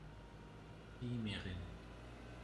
tallimirin